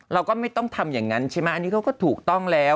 เราก็ไม่ต้องทำอย่างนั้นใช่ไหมอันนี้เขาก็ถูกต้องแล้ว